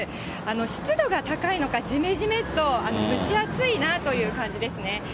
湿度が高いのか、じめじめっと蒸し暑いなという感じですね。